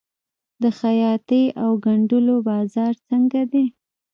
د خیاطۍ او ګنډلو بازار څنګه دی؟